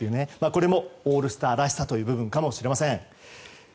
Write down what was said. これもオールスターらしさという部分かもしれません。